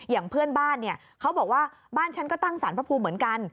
อย่างเพื่อนบ้านเนี่ยเขาบอกว่าบ้านฉันก็ตั้งสารพระภูมิเหมือนกัน